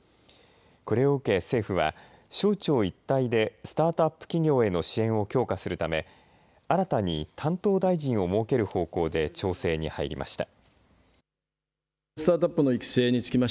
これを受け政府は省庁一体でスタートアップ企業への支援を強化するため新たに担当大臣を設ける方向で調整に入りました。